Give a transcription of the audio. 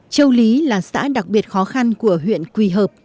châu lý là xã đặc biệt khó khăn của huyện quỳ hợp